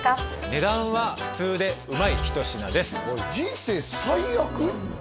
値段は普通でうまい一品です人生最悪？